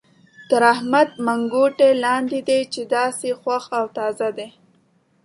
تر احمد منګوټی لاندې دی چې داسې خوښ او تازه دی.